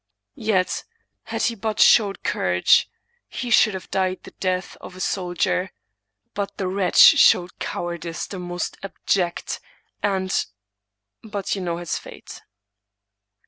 Yet, had he but showed courage, he should have died the death of a soldier. But the ¥rretch showed cowardice the most abject, and , but you know his fate.